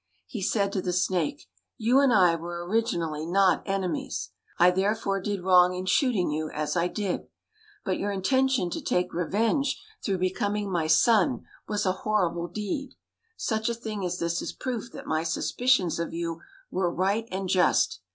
He said to the snake, "You and I were originally not enemies, I therefore did wrong in shooting you as I did; but your intention to take revenge through becoming my son was a horrible deed. Such a thing as this is proof that my suspicions of you were right and just.